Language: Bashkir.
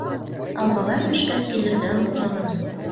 — Алмалар бешкәс, килергә онотмағыҙ.